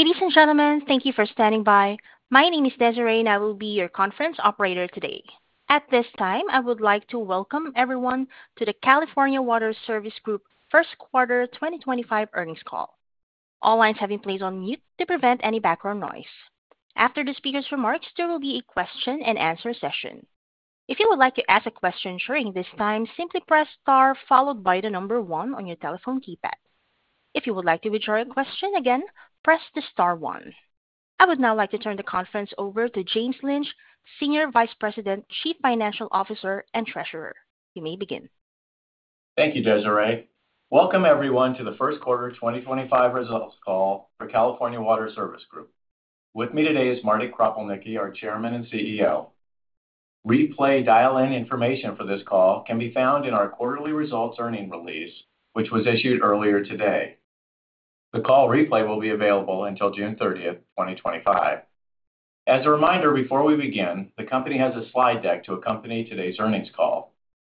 Ladies and gentlemen, thank you for standing by. My name is Desiree, and I will be your conference operator today. At this time, I would like to welcome everyone to the California Water Service Group Q1 2025 Earnings Call. All lines have been placed on mute to prevent any background noise. After the speaker's remarks, there will be a question-and-answer session. If you would like to ask a question during this time, simply press star followed by the number one on your telephone keypad. If you would like to withdraw your question again, press the star one. I would now like to turn the conference over to James Lynch, Senior Vice President, Chief Financial Officer, and Treasurer. You may begin. Thank you, Desiree. Welcome, everyone, to the Q1 2025 Results Call for California Water Service Group. With me today is Marty Kropelnicki, our Chairman and CEO. Replay dial-in information for this call can be found in our quarterly results earning release, which was issued earlier today. The call replay will be available until 30 June 2025. As a reminder, before we begin, the company has a slide deck to accompany today's earnings call.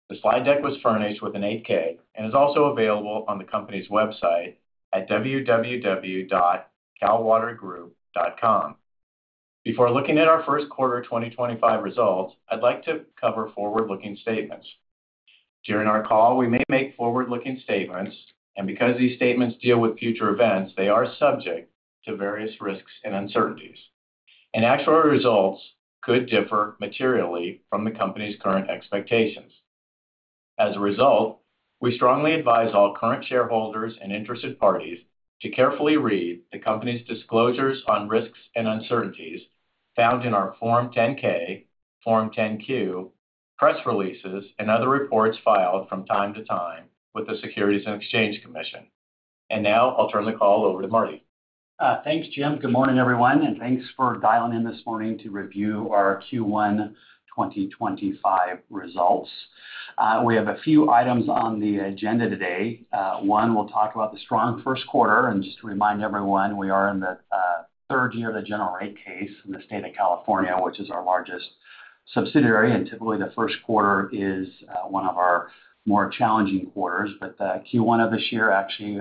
The slide deck was furnished with an 8-K and is also available on the company's website at www.calwatergroup.com. Before looking at our Q1 2025 results, I'd like to cover forward-looking statements. During our call, we may make forward-looking statements, and because these statements deal with future events, they are subject to various risks and uncertainties. Actual results could differ materially from the company's current expectations. As a result, we strongly advise all current shareholders and interested parties to carefully read the company's disclosures on risks and uncertainties found in our Form 10-K, Form 10-Q, press releases, and other reports filed from time to time with the Securities and Exchange Commission. I will now turn the call over to Marty. Thanks, Jim. Good morning, everyone, and thanks for dialing in this morning to review our Q1 2025 results. We have a few items on the agenda today. One, we'll talk about the strong Q1. Just to remind everyone, we are in the third year of the general rate case in the state of California, which is our largest subsidiary. Typically, the Q1 is one of our more challenging quarters. Q1 of this year, actually,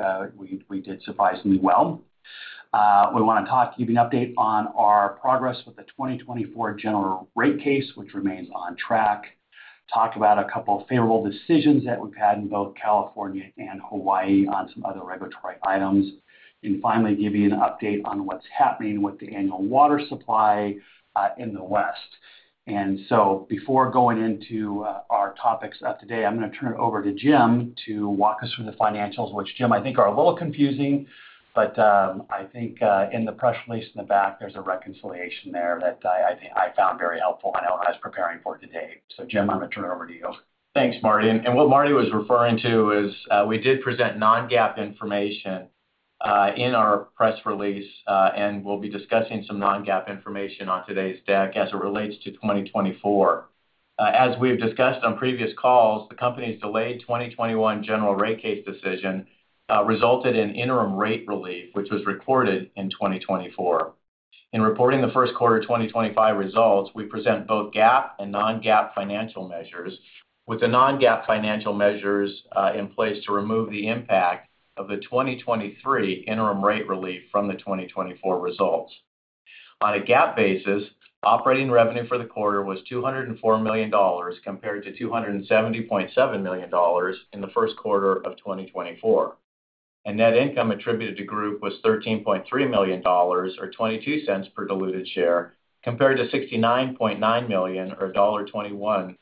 we did surprisingly well. We want to talk to you, an update on our progress with the 2024 General Rate Case, which remains on track. Talk about a couple of favorable decisions that we've had in both California and Hawaii on some other regulatory items. Finally, give you an update on what's happening with the annual water supply in the West. Before going into our topics of today, I'm going to turn it over to Jim to walk us through the financials, which, Jim, I think are a little confusing. I think in the press release in the back, there's a reconciliation there that I found very helpful in what I was preparing for today. Jim, I'm going to turn it over to you. Thanks, Marty. What Marty was referring to is we did present non-GAAP information in our press release, and we'll be discussing some non-GAAP information on today's deck as it relates to 2024. As we've discussed on previous calls, the company's delayed 2021 General Rate Case decision resulted in interim rate relief, which was recorded in 2024. In reporting the Q1 2025 results, we present both GAAP and non-GAAP financial measures, with the non-GAAP financial measures in place to remove the impact of the 2023 interim rate relief from the 2024 results. On a GAAP basis, operating revenue for the quarter was $204 million compared to $270.7 million in the Q1 of 2024. Net income attributed to group was $13.3 million, or $0.22 per diluted share, compared to $69.9 million, or $1.21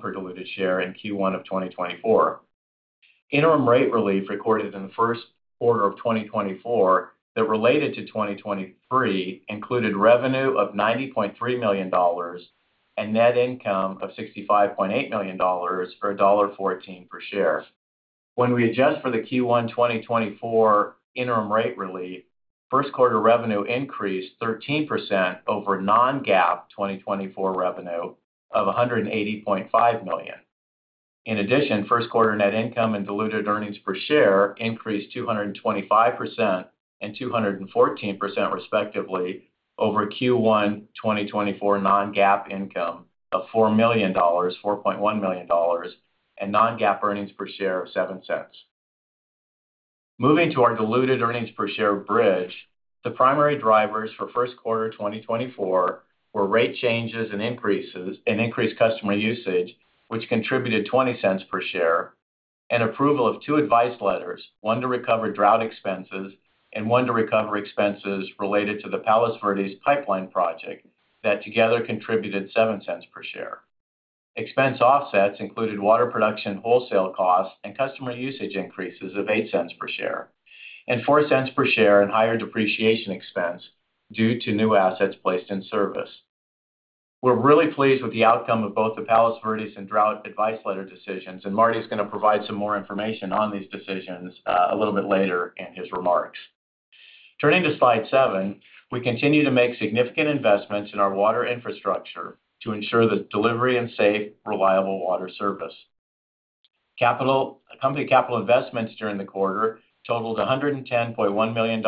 per diluted share in Q1 of 2024. Interim rate relief recorded in the Q1 of 2024 that related to 2023 included revenue of $90.3 million and net income of $65.8 million, or $1.14 per share. When we adjust for the Q1 2024 interim rate relief, Q1 revenue increased 13% over non-GAAP 2024 revenue of $180.5 million. In addition, Q1 net income and diluted earnings per share increased 225% and 214%, respectively, over Q1 2024 non-GAAP income of $4 million, $4.1 million, and non-GAAP earnings per share of $0.07. Moving to our diluted earnings per share bridge, the primary drivers for Q1 2024 were rate changes and increased customer usage, which contributed $0.20 per share, and approval of two advice letters, one to recover drought expenses and one to recover expenses related to the Palos Verdes pipeline project that together contributed $0.07 per share. Expense offsets included water production wholesale costs and customer usage increases of $0.08 per share, and $0.04 per share in higher depreciation expense due to new assets placed in service. We're really pleased with the outcome of both the Palos Verdes and drought advice letter decisions, and Marty is going to provide some more information on these decisions a little bit later in his remarks. Turning to slide seven, we continue to make significant investments in our water infrastructure to ensure the delivery of safe, reliable water service. Company capital investments during the quarter totaled $110.1 million,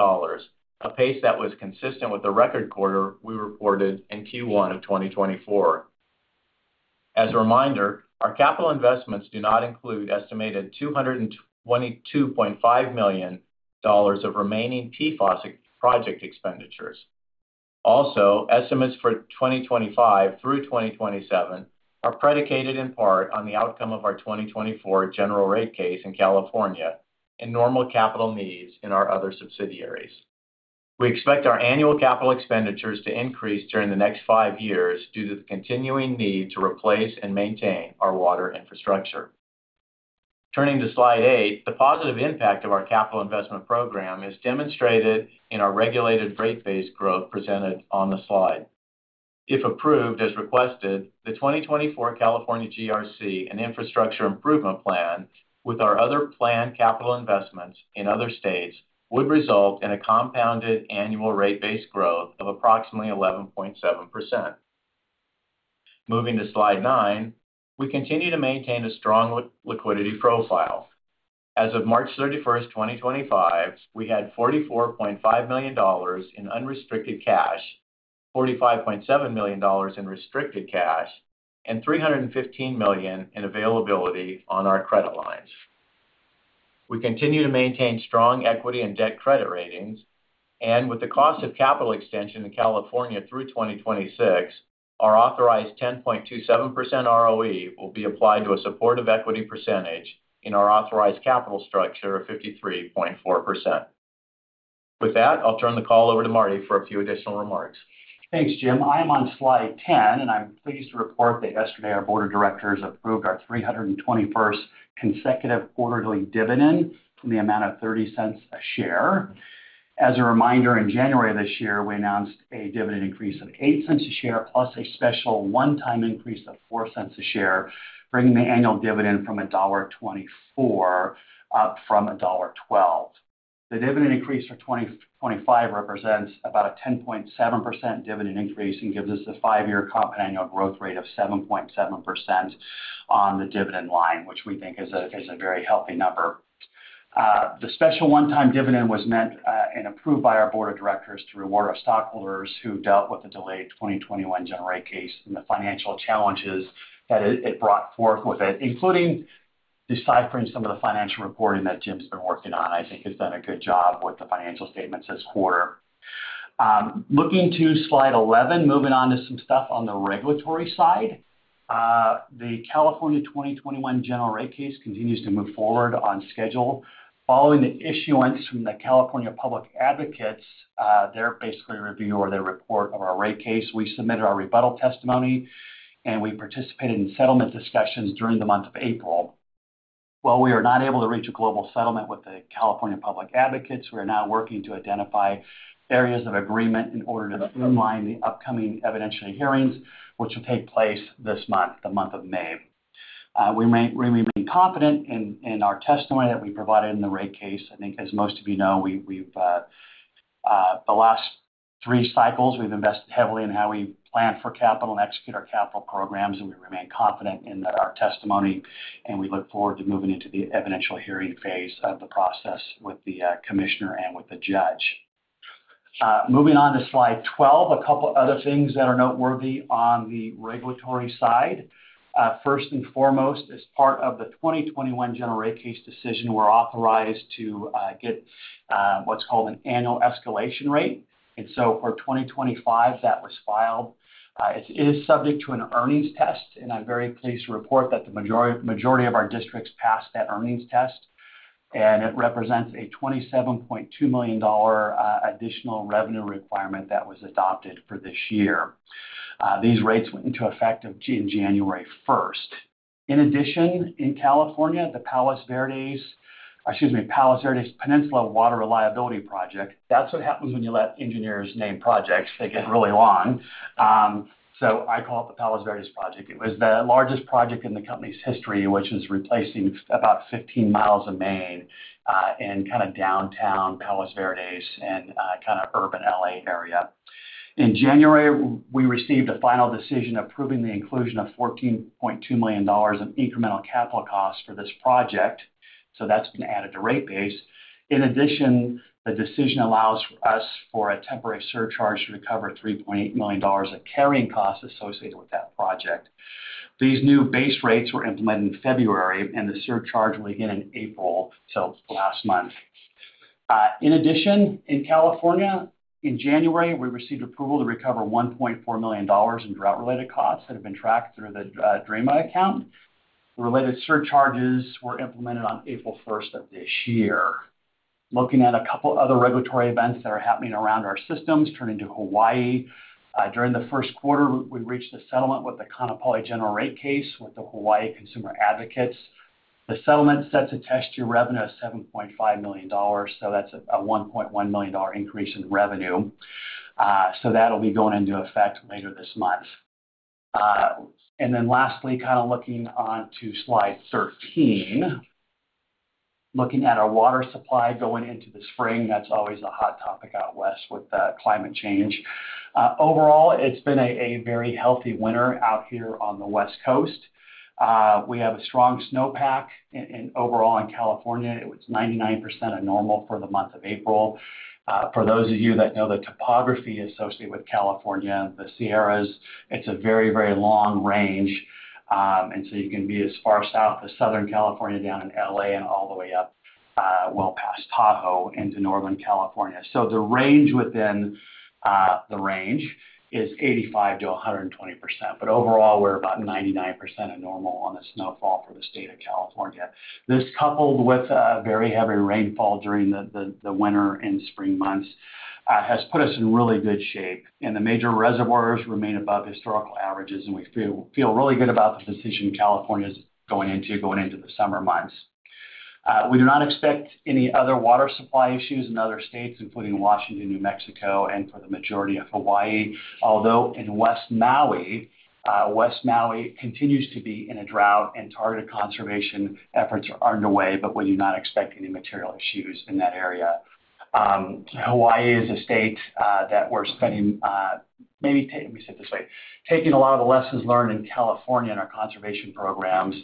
a pace that was consistent with the record quarter we reported in Q1 of 2024. As a reminder, our capital investments do not include estimated $222.5 million of remaining PFAS project expenditures. Also, estimates for 2025 through 2027 are predicated in part on the outcome of our 2024 general rate case in California and normal capital needs in our other subsidiaries. We expect our annual capital expenditures to increase during the next five years due to the continuing need to replace and maintain our water infrastructure. Turning to slide eight, the positive impact of our capital investment program is demonstrated in our regulated rate-based growth presented on the slide. If approved, as requested, the 2024 California GRC and Infrastructure Improvement Plan with our other planned capital investments in other states would result in a compounded annual rate-based growth of approximately 11.7%. Moving to slide nine, we continue to maintain a strong liquidity profile. As of 31 March 2025, we had $44.5 million in unrestricted cash, $45.7 million in restricted cash, and $315 million in availability on our credit lines. We continue to maintain strong equity and debt credit ratings, and with the cost of capital extension in California through 2026, our authorized 10.27% ROE will be applied to a supportive equity percentage in our authorized capital structure of 53.4%. With that, I'll turn the call over to Marty for a few additional remarks. Thanks, Jim. I am on slide 10, and I'm pleased to report that yesterday our board of directors approved our 321st consecutive quarterly dividend in the amount of $0.30 a share. As a reminder, in January of this year, we announced a dividend increase of $0.08 a share plus a special one-time increase of $0.04 a share, bringing the annual dividend from $1.24 up from $1.12. The dividend increase for 2025 represents about a 10.7% dividend increase and gives us a five-year compound annual growth rate of 7.7% on the dividend line, which we think is a very healthy number. The special one-time dividend was meant and approved by our board of directors to reward our stockholders who dealt with the delayed 2021 general rate case and the financial challenges that it brought forth with it, including deciphering some of the financial reporting that Jim's been working on. I think he's done a good job with the financial statements this quarter. Looking to slide 11, moving on to some stuff on the regulatory side, the California 2021 General Rate Case continues to move forward on schedule. Following the issuance from the California Public Advocates, their basically review or their report of our rate case, we submitted our rebuttal testimony, and we participated in settlement discussions during the month of April. While we are not able to reach a global settlement with the California Public Advocates, we are now working to identify areas of agreement in order to streamline the upcoming evidentiary hearings, which will take place this month, the month of May. We remain confident in our testimony that we provided in the rate case. I think, as most of you know, the last three cycles, we've invested heavily in how we plan for capital and execute our capital programs, and we remain confident in our testimony, and we look forward to moving into the evidentiary hearing phase of the process with the commissioner and with the judge. Moving on to slide 12, a couple of other things that are noteworthy on the regulatory side. First and foremost, as part of the 2021 General Rate Case decision, we're authorized to get what's called an annual escalation rate. And so, for 2025, that was filed. It is subject to an earnings test, and I'm very pleased to report that the majority of our districts passed that earnings test, and it represents a $27.2 million additional revenue requirement that was adopted for this year. These rates went into effect on 1 January. In addition, in California, the Palos Verdes—excuse me—Palos Verdes Peninsula Water Reliability Project. That's what happens when you let engineers name projects. They get really long. I call it the Palos Verdes Project. It was the largest project in the company's history, which is replacing about 15mi of main in kind of downtown Palos Verdes and kind of urban LA area. In January, we received a final decision approving the inclusion of $14.2 million in incremental capital costs for this project. That's been added to rate base. In addition, the decision allows us for a temporary surcharge to recover $3.8 million in carrying costs associated with that project. These new base rates were implemented in February, and the surcharge will begin in April, last month. In addition, in California, in January, we received approval to recover $1.4 million in drought-related costs that have been tracked through the DRMA account. The related surcharges were implemented on 1 April of this year. Looking at a couple of other regulatory events that are happening around our systems, turning to Hawaii, during the Q1, we reached a settlement with the Kāʻanapali General Rate Case with the Hawaii Consumer Advocates. The settlement sets a test to revenue of $7.5 million. That is a $1.1 million increase in revenue. That will be going into effect later this month. Lastly, kind of looking on to slide 13, looking at our water supply going into the spring, that is always a hot topic out west with climate change. Overall, it has been a very healthy winter out here on the West Coast. We have a strong snowpack, and overall, in California, it was 99% of normal for the month of April. For those of you that know the topography associated with California, the Sierras, it's a very, very long range. You can be as far south as Southern California, down in LA, and all the way up well past Tahoe into Northern California. The range within the range is 85% to 120%. Overall, we're about 99% of normal on the snowfall for the state of California. This, coupled with very heavy rainfall during the winter and spring months, has put us in really good shape. The major reservoirs remain above historical averages, and we feel really good about the decision California is going into going into the summer months. We do not expect any other water supply issues in other states, including Washington, New Mexico, and for the majority of Hawaii, although in West Maui, West Maui continues to be in a drought and targeted conservation efforts are underway, but we do not expect any material issues in that area. Hawaii is a state that we're spending—let me say it this way—taking a lot of the lessons learned in California in our conservation programs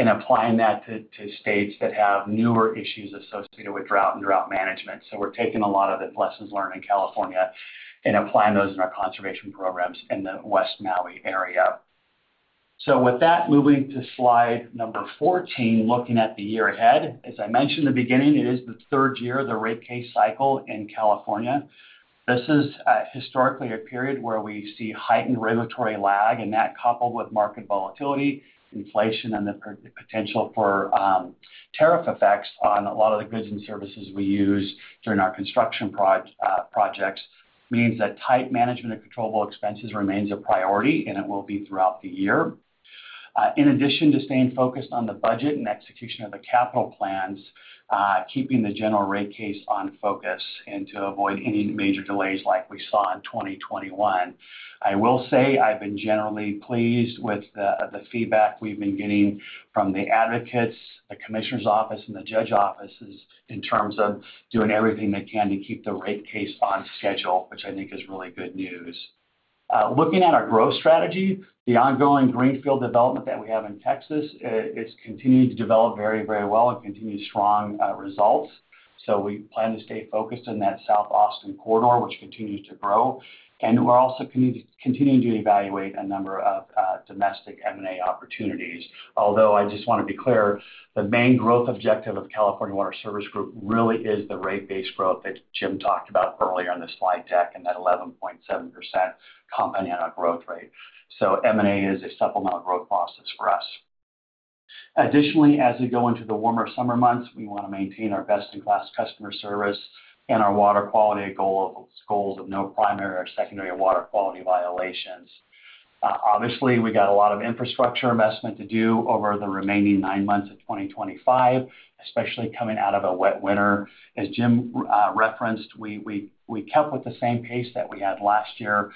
and applying that to states that have newer issues associated with drought and drought management. We are taking a lot of the lessons learned in California and applying those in our conservation programs in the West Maui area. With that, moving to slide number 14, looking at the year ahead. As I mentioned in the beginning, it is the third year of the rate case cycle in California. This is historically a period where we see heightened regulatory lag, and that coupled with market volatility, inflation, and the potential for tariff effects on a lot of the goods and services we use during our construction projects means that tight management of controllable expenses remains a priority, and it will be throughout the year. In addition to staying focused on the budget and execution of the capital plans, keeping the general rate case on focus and to avoid any major delays like we saw in 2021, I will say I've been generally pleased with the feedback we've been getting from the advocates, the commissioner's office, and the judge's offices in terms of doing everything they can to keep the rate case on schedule, which I think is really good news. Looking at our growth strategy, the ongoing greenfield development that we have in Texas is continuing to develop very, very well and continue strong results. We plan to stay focused in that South Austin corridor, which continues to grow. We are also continuing to evaluate a number of domestic M&A opportunities. Although I just want to be clear, the main growth objective of California Water Service Group really is the rate-based growth that Jim talked about earlier on the slide deck and that 11.7% compound annual growth rate. M&A is a supplemental growth process for us. Additionally, as we go into the warmer summer months, we want to maintain our best-in-class customer service and our water quality goal of no primary or secondary water quality violations. Obviously, we got a lot of infrastructure investment to do over the remaining nine months of 2025, especially coming out of a wet winter. As Jim referenced, we kept with the same pace that we had last year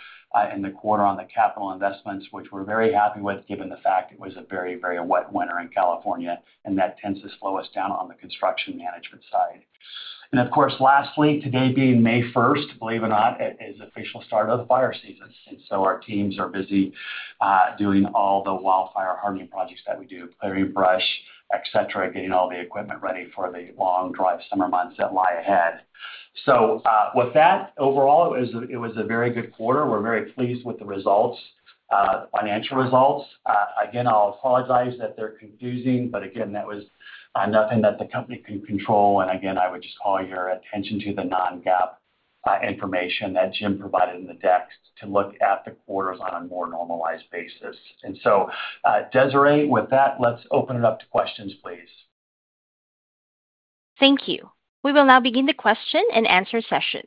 in the quarter on the capital investments, which we're very happy with given the fact it was a very, very wet winter in California, and that tends to slow us down on the construction management side. Of course, lastly, today being 1 May, believe it or not, is the official start of the fire season. Our teams are busy doing all the wildfire hardening projects that we do, clearing brush, etc., getting all the equipment ready for the long dry summer months that lie ahead. With that, overall, it was a very good quarter. We're very pleased with the results, financial results. Again, I'll apologize that they're confusing, but again, that was nothing that the company can control. I would just call your attention to the non-GAAP information that Jim provided in the deck to look at the quarters on a more normalized basis. Desiree, with that, let's open it up to questions, please. Thank you. We will now begin the question and answer session.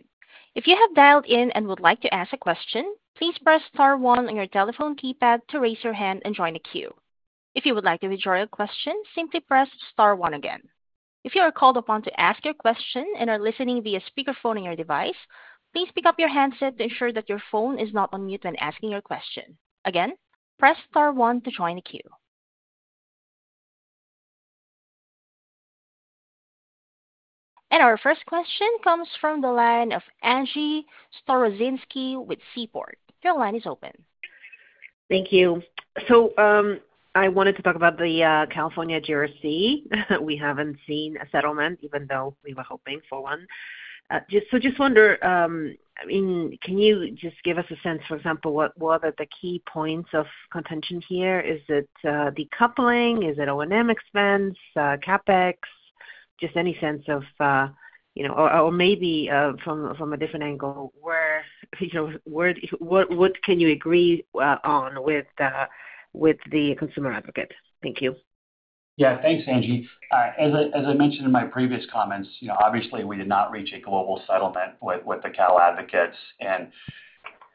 If you have dialed in and would like to ask a question, please press star one on your telephone keypad to raise your hand and join the queue. If you would like to withdraw your question, simply press star one again. If you are called upon to ask your question and are listening via speakerphone on your device, please pick up your handset to ensure that your phone is not on mute when asking your question. Again, press star one to join the queue. Our first question comes from the line of Angie Storozynski with Seaport. Your line is open. Thank you. I wanted to talk about the California GRC. We have not seen a settlement, even though we were hoping for one. I just wonder, can you just give us a sense, for example, what are the key points of contention here? Is it decoupling? Is it O&M expense? CapEx? Just any sense of—or maybe from a different angle, what can you agree on with the consumer advocate? Thank you. Yeah, thanks, Angie. As I mentioned in my previous comments, obviously, we did not reach a global settlement with the Cal Advocates.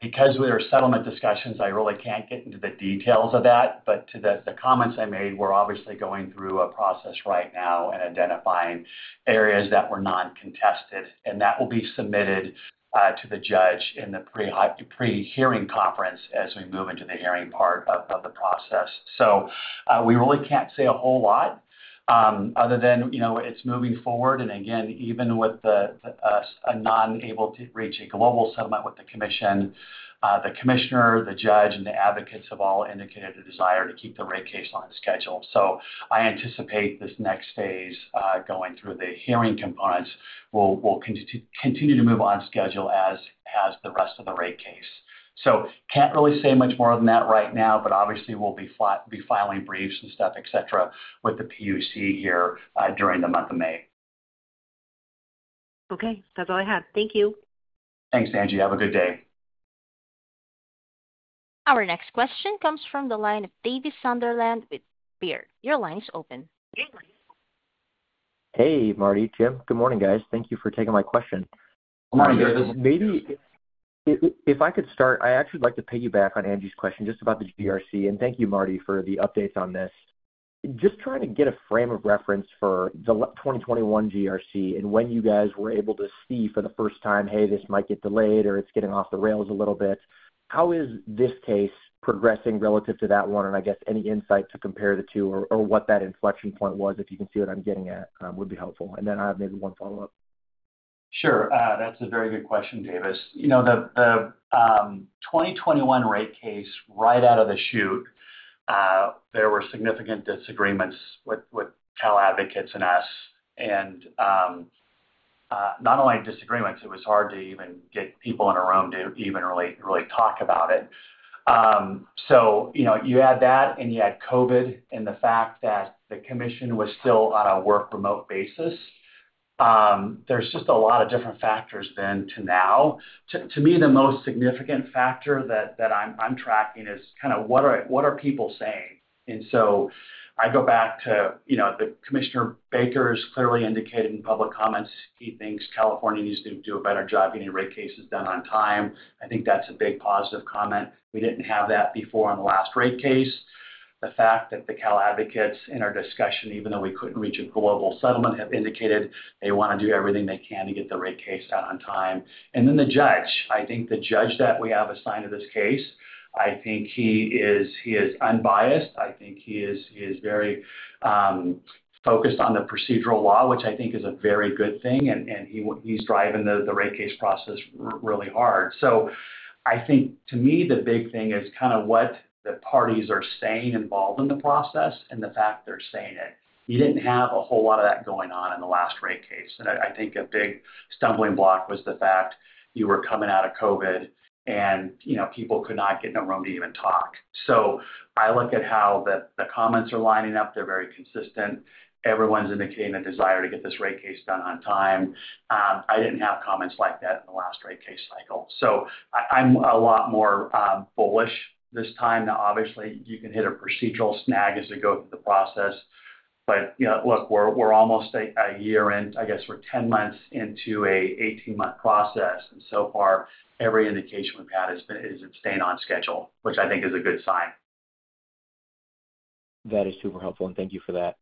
Because we are in settlement discussions, I really can't get into the details of that. The comments I made were obviously going through a process right now and identifying areas that were non-contested. That will be submitted to the judge in the pre-hearing conference as we move into the hearing part of the process. We really can't say a whole lot other than it's moving forward. Again, even with us not able to reach a global settlement with the commission, the commissioner, the judge, and the advocates have all indicated a desire to keep the rate case on schedule. I anticipate this next phase going through the hearing components will continue to move on schedule as the rest of the rate case. I can't really say much more than that right now, but obviously, we'll be filing briefs and stuff, etc., with the PUC here during the month of May. Okay. That's all I have. Thank you. Thanks, Angie. Have a good day. Our next question comes from the line of David Sunderland with Baird. Your line is open. Hey, Marty. Tim, good morning, guys. Thank you for taking my question. Good morning, David. If I could start, I actually would like to piggyback on Angie's question just about the GRC. Thank you, Marty, for the updates on this. Just trying to get a frame of reference for the 2021 GRC and when you guys were able to see for the first time, "Hey, this might get delayed," or, "It's getting off the rails a little bit." How is this case progressing relative to that one? I guess any insight to compare the two or what that inflection point was, if you can see what I'm getting at, would be helpful. I have maybe one follow-up. Sure. That's a very good question, David. The 2021 rate case, right out of the chute, there were significant disagreements with Cal Advocates and us. Not only disagreements, it was hard to even get people in a room to even really talk about it. You add that, and you add COVID, and the fact that the commission was still on a work-remote basis. There are just a lot of different factors then to now. To me, the most significant factor that I'm tracking is kind of what are people saying? I go back to Commissioner Baker's clearly indicated in public comments he thinks California needs to do a better job getting rate cases done on time. I think that's a big positive comment. We didn't have that before in the last rate case. The fact that the Cal Advocates in our discussion, even though we couldn't reach a global settlement, have indicated they want to do everything they can to get the rate case out on time. The judge, I think the judge that we have assigned to this case, I think he is unbiased. I think he is very focused on the procedural law, which I think is a very good thing. He is driving the rate case process really hard. To me, the big thing is kind of what the parties are saying involved in the process and the fact they're saying it. You didn't have a whole lot of that going on in the last rate case. I think a big stumbling block was the fact you were coming out of COVID, and people could not get in a room to even talk. I look at how the comments are lining up. They're very consistent. Everyone's indicating a desire to get this rate case done on time. I didn't have comments like that in the last rate case cycle. I'm a lot more bullish this time that, obviously, you can hit a procedural snag as we go through the process. Look, we're almost a year in. I guess we're 10 months into an 18-month process. So far, every indication we've had is it's staying on schedule, which I think is a good sign. That is super helpful. Thank you for that.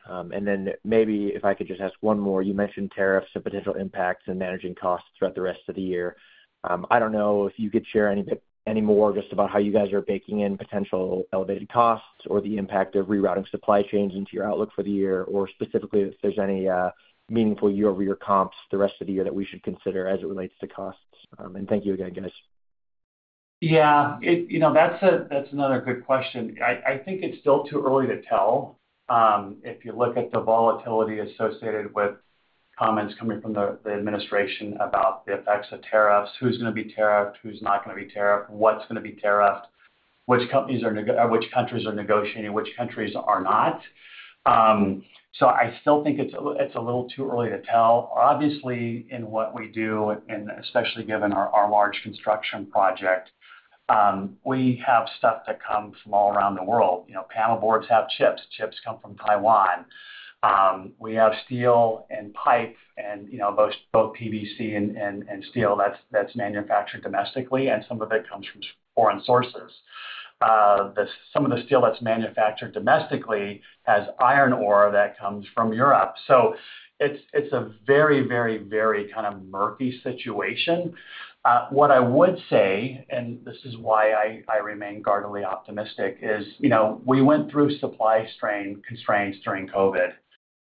Maybe if I could just ask one more. You mentioned tariffs and potential impacts and managing costs throughout the rest of the year. I do not know if you could share any more just about how you guys are baking in potential elevated costs or the impact of rerouting supply chains into your outlook for the year, or specifically if there is any meaningful year-over-year comps the rest of the year that we should consider as it relates to costs. Thank you again, guys. Yeah. That's another good question. I think it's still too early to tell. If you look at the volatility associated with comments coming from the administration about the effects of tariffs, who's going to be tariffed, who's not going to be tariffed, what's going to be tariffed, which countries are negotiating, which countries are not. I still think it's a little too early to tell. Obviously, in what we do, and especially given our large construction project, we have stuff that comes from all around the world. Panel boards have chips. Chips come from Taiwan. We have steel and pipe, and both PVC and steel that's manufactured domestically, and some of it comes from foreign sources. Some of the steel that's manufactured domestically has iron ore that comes from Europe. It's a very, very, very kind of murky situation. What I would say, and this is why I remain guardedly optimistic, is we went through supply strain constraints during COVID.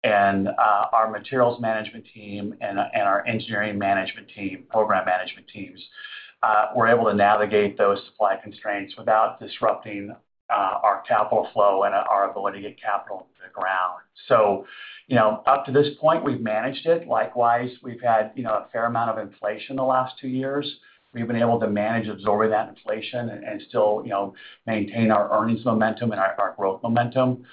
Our materials management team and our engineering management team, program management teams, were able to navigate those supply constraints without disrupting our capital flow and our ability to get capital to the ground. Up to this point, we've managed it. Likewise, we've had a fair amount of inflation the last two years. We've been able to manage, absorb that inflation, and still maintain our earnings momentum and our growth momentum.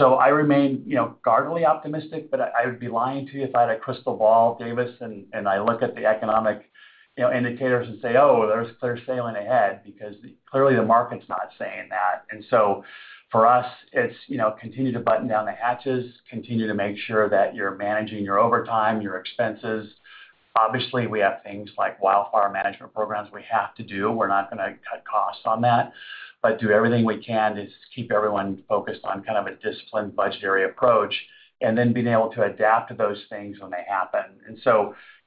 I remain guardedly optimistic, but I would be lying to you if I had a crystal ball, David, and I look at the economic indicators and say, "Oh, there's clear sailing ahead," because clearly the market's not saying that. For us, it's continue to button down the hatches, continue to make sure that you're managing your overtime, your expenses. Obviously, we have things like wildfire management programs we have to do. We're not going to cut costs on that, but do everything we can to keep everyone focused on kind of a disciplined budgetary approach and then being able to adapt to those things when they happen.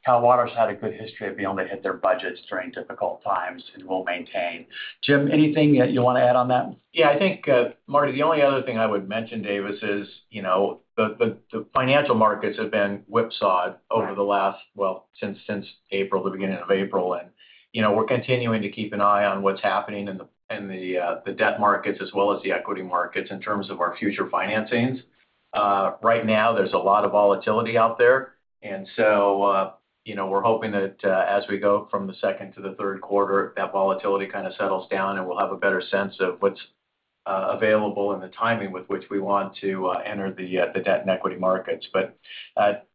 Cal Water's had a good history of being able to hit their budgets during difficult times and will maintain. Jim, anything you want to add on that? Yeah. I think, Marty, the only other thing I would mention, David, is the financial markets have been whipsawed over the last, since April, the beginning of April. We're continuing to keep an eye on what's happening in the debt markets as well as the equity markets in terms of our future financings. Right now, there's a lot of volatility out there. We're hoping that as we go from the Q2 to the Q3, that volatility kind of settles down, and we'll have a better sense of what's available and the timing with which we want to enter the debt and equity markets.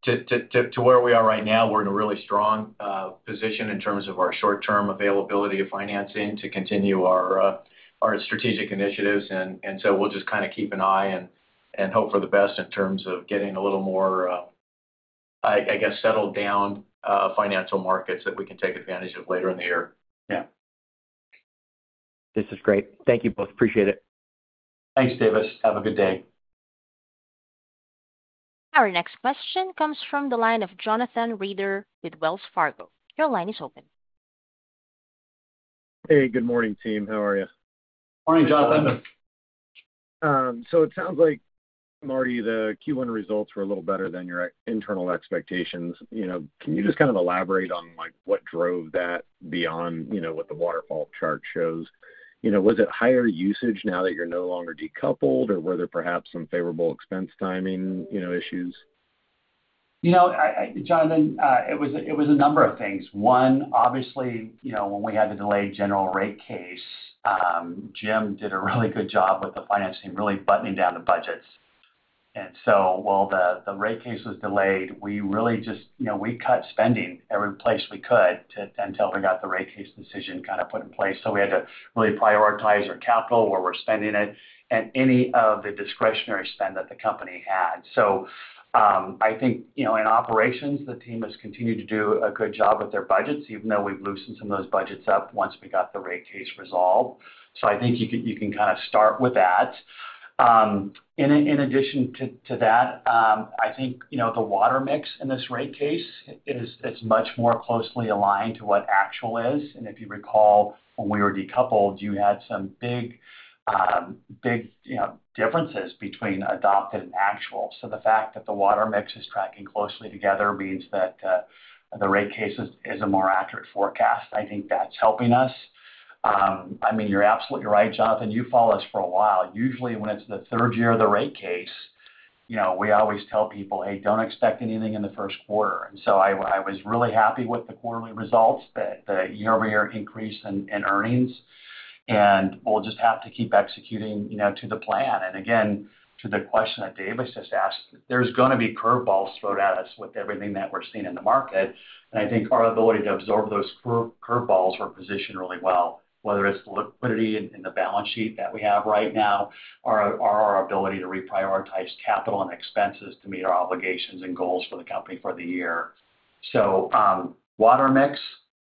To where we are right now, we're in a really strong position in terms of our short-term availability of financing to continue our strategic initiatives. We'll just kind of keep an eye and hope for the best in terms of getting a little more, I guess, settled down financial markets that we can take advantage of later in the year. Yeah. This is great. Thank you both. Appreciate it. Thanks, David. Have a good day. Our next question comes from the line of Jonathan Reeder with Wells Fargo. Your line is open. Hey, good morning, team. How are you? Morning, Jonathan. It sounds like, Marty, the Q1 results were a little better than your internal expectations. Can you just kind of elaborate on what drove that beyond what the waterfall chart shows? Was it higher usage now that you're no longer decoupled, or were there perhaps some favorable expense timing issues? Jonathan, it was a number of things. One, obviously, when we had to delay general rate case, Jim did a really good job with the financing, really buttoning down the budgets. As the rate case was delayed, we really just cut spending every place we could until we got the rate case decision kind of put in place. We had to really prioritize our capital, where we're spending it, and any of the discretionary spend that the company had. I think in operations, the team has continued to do a good job with their budgets, even though we've loosened some of those budgets up once we got the rate case resolved. I think you can kind of start with that. In addition to that, I think the water mix in this rate case is much more closely aligned to what actual is. If you recall, when we were decoupled, you had some big differences between adopted and actual. The fact that the water mix is tracking closely together means that the rate case is a more accurate forecast. I think that's helping us. I mean, you're absolutely right, Jonathan. You've followed us for a while. Usually, when it's the third year of the rate case, we always tell people, "Hey, don't expect anything in the Q1." I was really happy with the quarterly results, the year-over-year increase in earnings. We'll just have to keep executing to the plan. Again, to the question that David just asked, there's going to be curveballs thrown at us with everything that we're seeing in the market. I think our ability to absorb those curveballs, we are positioned really well, whether it is the liquidity in the balance sheet that we have right now or our ability to reprioritize capital and expenses to meet our obligations and goals for the company for the year. Water mix,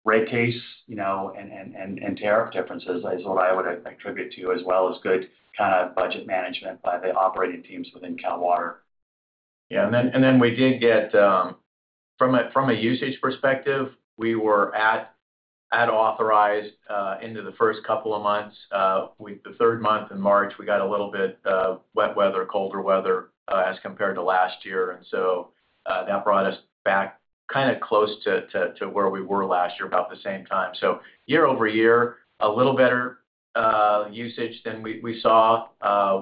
rate case, and tariff differences is what I would attribute to, as well as good kind of budget management by the operating teams within Cal Water. Yeah. We did get, from a usage perspective, we were at authorized into the first couple of months. The third month in March, we got a little bit wet weather, colder weather as compared to last year. That brought us back kind of close to where we were last year, about the same time. Year-over-year, a little better usage than we saw.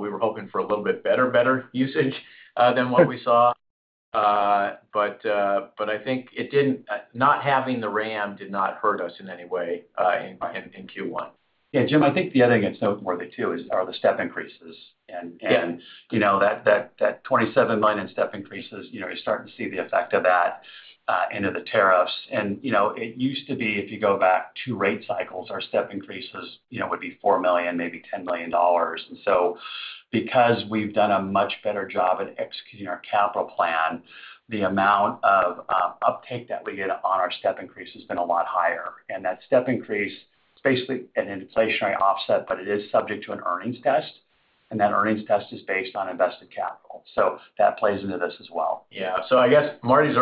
We were hoping for a little bit better usage than what we saw. I think not having the WRAM did not hurt us in any way in Q1. Yeah. Jim, I think the other thing that's noteworthy too are the step increases. That $27 million step increases, you're starting to see the effect of that into the tariffs. It used to be, if you go back two rate cycles, our step increases would be $4 million, maybe $10 million. Because we've done a much better job at executing our capital plan, the amount of uptake that we get on our step increase has been a lot higher. That step increase, it's basically an inflationary offset, but it is subject to an earnings test. That earnings test is based on invested capital. That plays into this as well. Yeah. I guess Marty's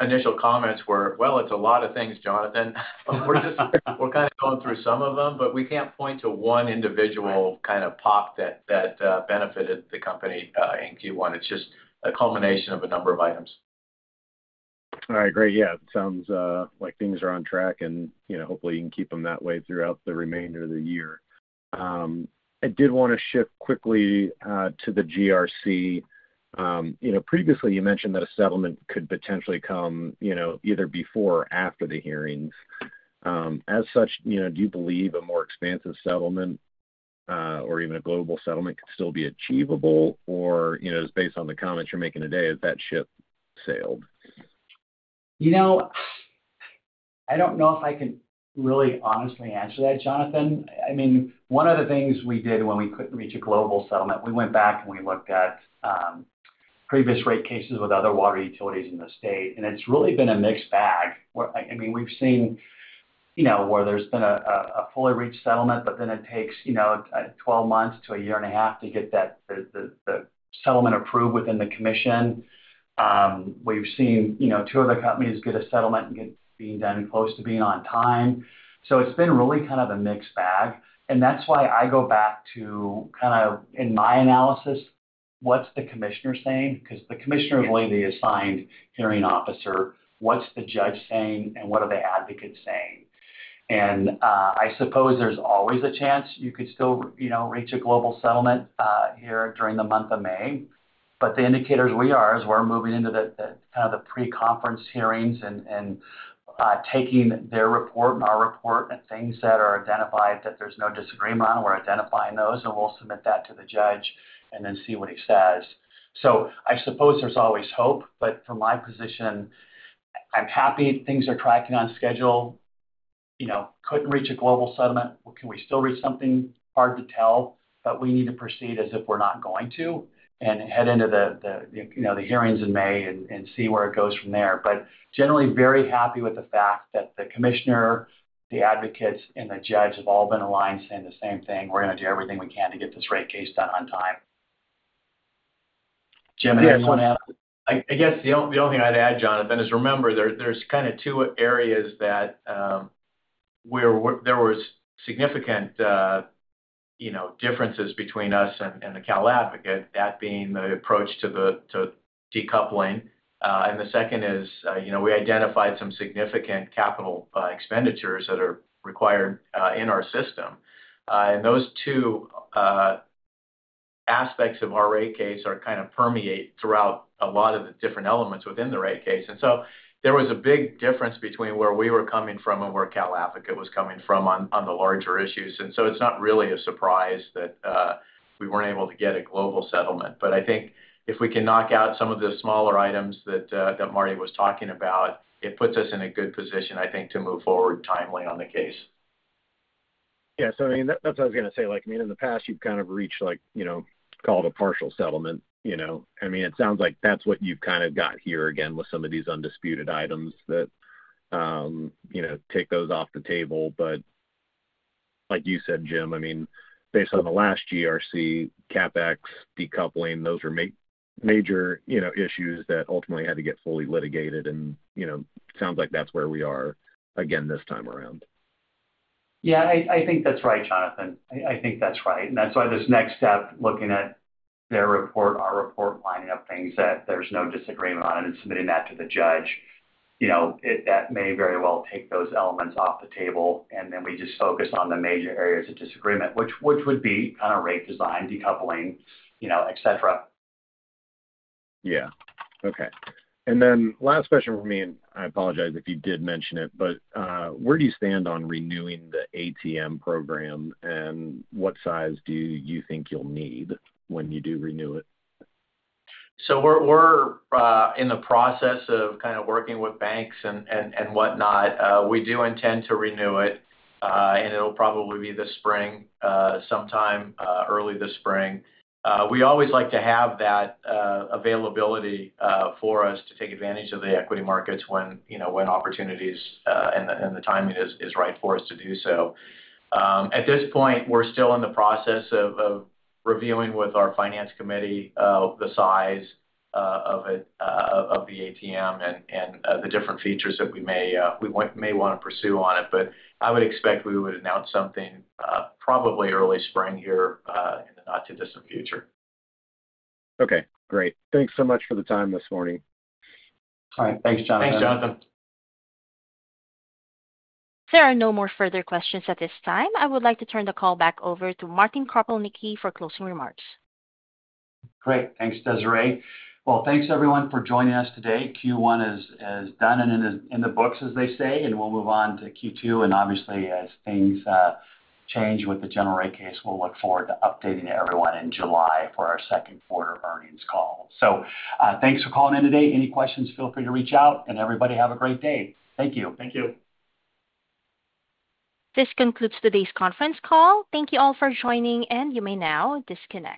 initial comments were, "Well, it's a lot of things, Jonathan." We're kind of going through some of them, but we can't point to one individual kind of pop that benefited the company in Q1. It's just a culmination of a number of items. All right. Great. Yeah. It sounds like things are on track, and hopefully, you can keep them that way throughout the remainder of the year. I did want to shift quickly to the GRC. Previously, you mentioned that a settlement could potentially come either before or after the hearings. As such, do you believe a more expansive settlement or even a global settlement could still be achievable? Or based on the comments you're making today, has that ship sailed? I don't know if I can really honestly answer that, Jonathan. I mean, one of the things we did when we couldn't reach a global settlement, we went back and we looked at previous rate cases with other water utilities in the state. It's really been a mixed bag. I mean, we've seen where there's been a fully reached settlement, but then it takes 12 months to a year and a half to get the settlement approved within the commission. We've seen two of the companies get a settlement and being done close to being on time. It's been really kind of a mixed bag. That's why I go back to kind of, in my analysis, what's the commissioner saying? Because the commissioner is only the assigned hearing officer. What's the judge saying, and what are the advocates saying? I suppose there's always a chance you could still reach a global settlement here during the month of May. The indicators we are is we're moving into kind of the pre-conference hearings and taking their report and our report and things that are identified that there's no disagreement on. We're identifying those, and we'll submit that to the judge and then see what he says. I suppose there's always hope. From my position, I'm happy things are tracking on schedule. Couldn't reach a global settlement. Can we still reach something? Hard to tell, but we need to proceed as if we're not going to and head into the hearings in May and see where it goes from there. Generally, very happy with the fact that the commissioner, the advocates, and the judge have all been aligned saying the same thing. We're going to do everything we can to get this rate case done on time. Jim, anything you want to add? I guess the only thing I'd add, Jonathan, is remember there's kind of two areas that where there were significant differences between us and the Cal Advocate, that being the approach to decoupling. The second is we identified some significant capital expenditures that are required in our system. Those two aspects of our rate case kind of permeate throughout a lot of the different elements within the rate case. There was a big difference between where we were coming from and where Cal advocate was coming from on the larger issues. It is not really a surprise that we were not able to get a global settlement. I think if we can knock out some of the smaller items that Marty was talking about, it puts us in a good position, I think, to move forward timely on the case. Yeah. I mean, that's what I was going to say. I mean, in the past, you've kind of reached, called a partial settlement. I mean, it sounds like that's what you've kind of got here again with some of these undisputed items that take those off the table. Like you said, Jim, I mean, based on the last GRC, CapEx, decoupling, those were major issues that ultimately had to get fully litigated. It sounds like that's where we are again this time around. Yeah. I think that's right, Jonathan. I think that's right. That is why this next step, looking at their report, our report, lining up things that there is no disagreement on and submitting that to the judge, that may very well take those elements off the table. Then we just focus on the major areas of disagreement, which would be kind of rate design, decoupling, etc. Yeah. Okay. Last question for me, and I apologize if you did mention it, but where do you stand on renewing the ATM program, and what size do you think you'll need when you do renew it? We're in the process of kind of working with banks and whatnot. We do intend to renew it, and it'll probably be this spring sometime, early this spring. We always like to have that availability for us to take advantage of the equity markets when opportunities and the timing is right for us to do so. At this point, we're still in the process of reviewing with our finance committee the size of the ATM and the different features that we may want to pursue on it. I would expect we would announce something probably early spring here in the not-too-distant future. Okay. Great. Thanks so much for the time this morning. All right. Thanks, Jonathan. Thanks, Jonathan. There are no more further questions at this time. I would like to turn the call back over to Marty Kropelnicki for closing remarks. Great. Thanks, Desiree. Thanks everyone for joining us today. Q1 is done and in the books, as they say. We'll move on to Q2. Obviously, as things change with the general rate case, we'll look forward to updating everyone in July for our Q2 Earnings Call. Thanks for calling in today. Any questions, feel free to reach out. Everybody, have a great day. Thank you. Thank you. This concludes today's conference call. Thank you all for joining, and you may now disconnect.